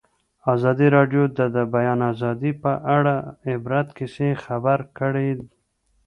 ازادي راډیو د د بیان آزادي په اړه د عبرت کیسې خبر کړي.